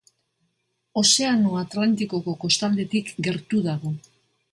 Ozeano Atlantikoko kostaldetik gertu dago.